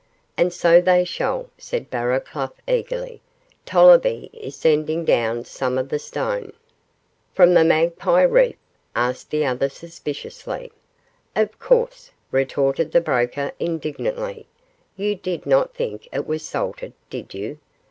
'And so they shall,' said Barraclough, eagerly; 'Tollerby is sending down some of the stone.' 'From the Magpie Reef?' asked the other, suspiciously. 'Of course,' retorted the Broker, indignantly; 'you did not think it was salted, did you?